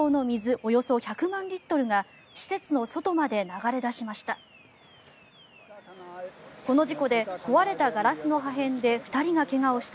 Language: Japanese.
およそ１００万リットルが施設の外まで流れ出しました。